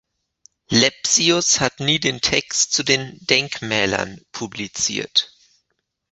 Lepsius hat nie den Text zu den „Denkmälern“ publiziert.